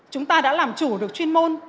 chúng ta đã làm chủ được chuyên môn